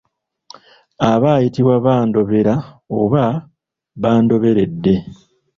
Aba ayitibwa bandobera oba bandoberedde.